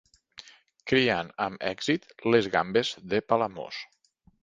Criant amb èxit les gambes de Palamós.